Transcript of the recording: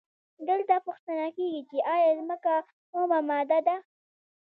دلته پوښتنه کیږي چې ایا ځمکه اومه ماده ده؟